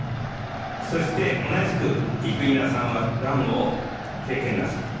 そして同じく生稲さんはがんを経験なさった。